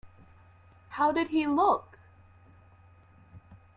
How did he look?